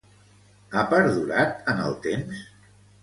Ha perdurat en el temps?